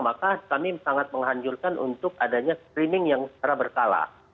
maka kami sangat menghancurkan untuk adanya screening yang secara berkala